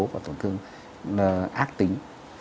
và tổn thương ác tính